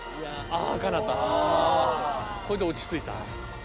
これで落ち着いたわ。